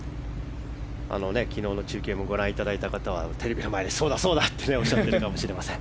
昨日も中継をご覧いただいた方はテレビの前でそうだそうだとおっしゃってるかもしれません。